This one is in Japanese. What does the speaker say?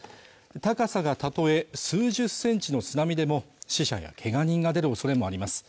高さがたとえ数十センチの津波でも死者やけが人が出るおそれもあります